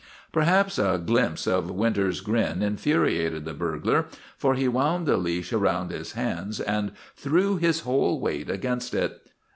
Perhaps a glimpse of Winter's grin infuriated the burglar, for he wound the leash about his hands and threw his whole weight against it.